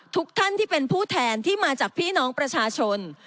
ทุกท่านที่เป็นผู้แทนที่มาจากพี่น้องประชาชน